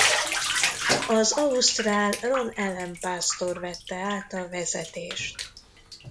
Az ausztrál Ron Allen pásztor vette át a vezetést.